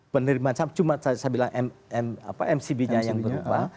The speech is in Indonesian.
penerimaan cuma saya bilang mcb nya yang berubah